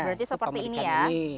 berarti seperti ini ya